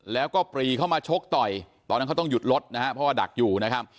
แล้วก็ปรีเข้ามาชกต่อยตอนนั้นเขาต้องหยุดรถนะฮะเพราะว่าดักอยู่นะครับ